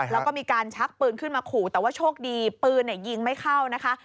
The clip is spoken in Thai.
แล้วก็มีการชักปืนขึ้นมาขู่แต่ว่าโชคดีปืนยิงไม่เข้านะคะ